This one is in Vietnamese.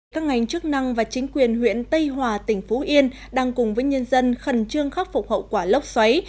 các ngành chức năng và chính quyền huyện tây hòa tỉnh phú yên đang cùng với nhân dân khẩn trương khắc phục hậu quả lốc xoáy